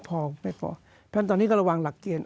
เพราะฉะนั้นตอนนี้ก็ระวังหลักเกณฑ์